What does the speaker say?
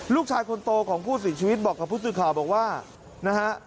ลูกชายคนโตของผู้เสียชีวิตบอกกับผู้สื่อข่าวบอกว่านะฮะ